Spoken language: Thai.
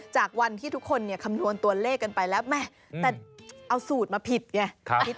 จากวันที่ทุกคนคำนวณตัวเลขกันไปแล้วแม่แต่เอาสูตรมาผิดไง